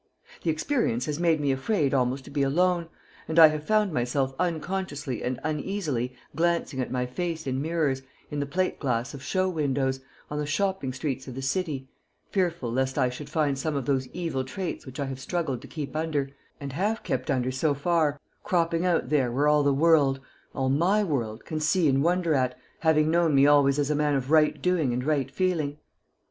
The experience has made me afraid almost to be alone, and I have found myself unconsciously and uneasily glancing at my face in mirrors, in the plate glass of show windows on the shopping streets of the city, fearful lest I should find some of those evil traits which I have struggled to keep under, and have kept under so far, cropping out there where all the world, all my world, can see and wonder at, having known me always as a man of right doing and right feeling.